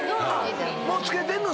もう付けてんの⁉